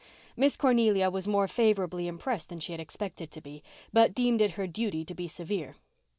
Miss Cornelia was more favourably impressed than she had expected to be, but deemed it her duty to be severe.